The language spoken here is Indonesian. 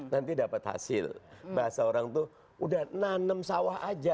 nanti dapat hasil bahasa orang tuh udah nanem sawah aja